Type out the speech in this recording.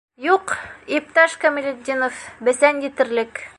Юҡ, иптәш Камалетдинов, бесән етерлек.